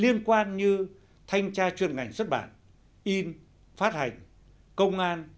liên quan như thanh tra chuyên ngành xuất bản in phát hành công an